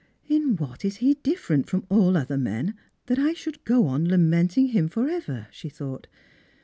" In what is he different from all other men that I should go on lamenting him for ever? " she thought.